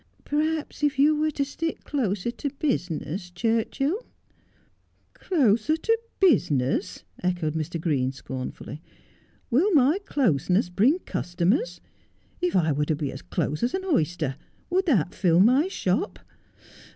Perhaps if you were to stick closer to business, Churchill '' Closer to business,' echoed Mr. Green scornfully ;' will my closeness bring customers ? If I were to be as close as an oyster, would that fill my shop